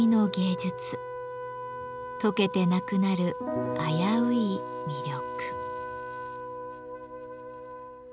とけてなくなる危うい魅力。